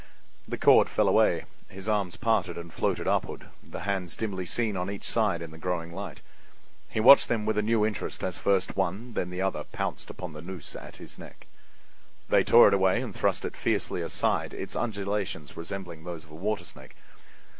The cord fell away; his arms parted and floated upward, the hands dimly seen on each side in the growing light. He watched them with a new interest as first one and then the other pounced upon the noose at his neck. They tore it away and thrust it fiercely aside, its undulations resembling those of a water snake.